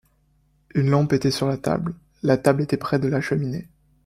Une lampe était sur la table ; la table était près de la cheminée.